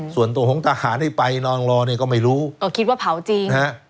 ส่วนตัวของทหารที่ไปนอนรอเนี่ยก็ไม่รู้ก็คิดว่าเผาจริงนะฮะ